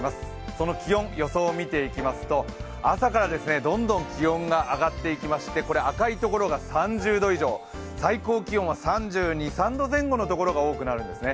その気温の予想を見ていきますと朝から気温がどんどん上がっていきまして赤いところが３０度以上、最高気温は３２３３度前後のところが多くなるんですね。